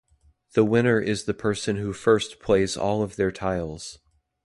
The winner is the person who first plays all of their tiles.